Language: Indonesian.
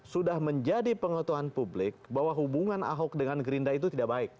sudah menjadi pengetahuan publik bahwa hubungan ahok dengan gerindra itu tidak baik